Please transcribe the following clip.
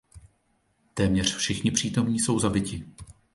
Téměř všichni přítomní jsou zabiti.